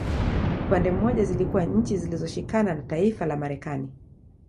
Upande mmoja zilikuwa nchi zilizoshikama na taifa la Marekani